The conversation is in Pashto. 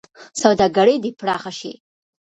سوداګري دې پراخه شي.